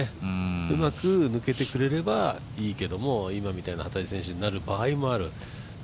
うまく抜けてくれればいいけれども、今みたいな幡地選手になる場合もある。